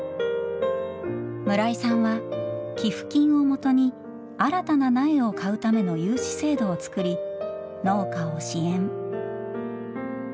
村井さんは寄付金を元に新たな苗を買うための融資制度を作り農家を支援。